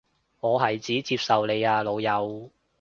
我係指接受你啊老友